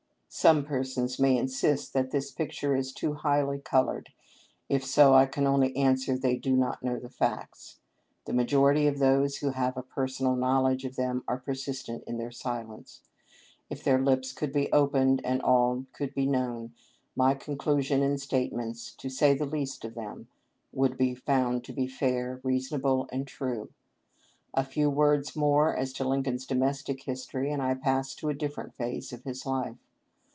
Some persons may insist that this picture is too highly colored. If so, I can only answer, they do not know the facts. The majority of those who have a personal knowledge of them are persistent in their silence. If their lips could be opened and all could be known, my conclusions and statements, to say the least of them, would be found to be fair, reasonable, and true. A few words more as to Lincoln's domestic history, and I pass to a different phase of his life.